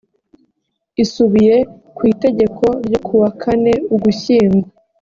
isubiye ku itegeko ryo ku wa kane ugushyingo